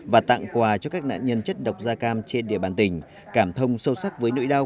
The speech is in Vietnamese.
và tặng quà cho các nạn nhân chất độc da cam trên địa bàn tỉnh cảm thông sâu sắc với nỗi đau